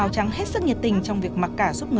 còn thầy cháu ở trên tuyên quang